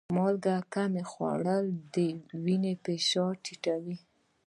مالګه کم خوړل د وینې فشار ټیټوي.